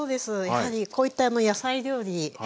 やはりこういった野菜料理